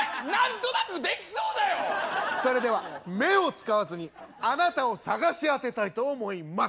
それでは目を使わずにあなたを捜し当てたいと思います！